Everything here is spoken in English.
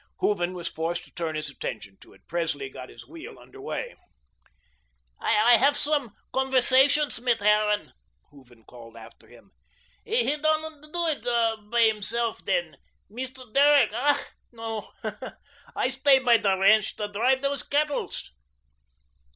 Hooven was forced to turn his attention to it. Presley got his wheel under way. "I hef some converzations mit Herran," Hooven called after him. "He doand doo ut bei hisseluf, den, Mist'r Derrick; ach, no. I stay bei der rench to drive dose cettles."